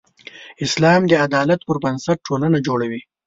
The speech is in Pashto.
اسلام د عدالت پر بنسټ ټولنه جوړوي.